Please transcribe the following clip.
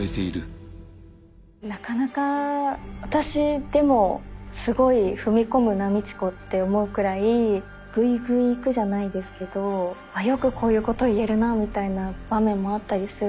なかなか私でもすごい踏み込むな路子って思うくらいぐいぐいいくじゃないですけどよくこういうこと言えるみたいな場面もあったりするので。